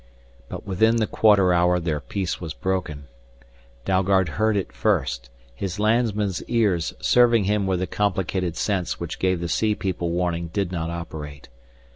But within the quarter hour their peace was broken. Dalgard heard it first, his landsman's ears serving him where the complicated sense which gave the sea people warning did not operate.